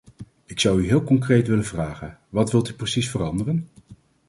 Ik zou u heel concreet willen vragen: wat wilt u precies veranderen?